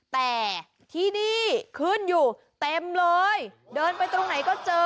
แต่ที่นี่ขึ้นอยู่เต็มเลยเดินไปตรงไหนก็เจอ